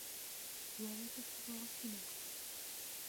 هي لا تستطيع السباحة.